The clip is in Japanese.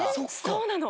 そうなの。